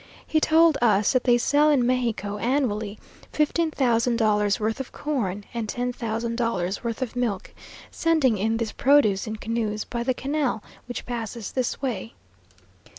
He told us that they sell in Mexico, annually, fifteen thousand dollars' worth of corn, and ten thousand dollars' worth of milk, sending in this produce in canoes, by the canal which passes this way.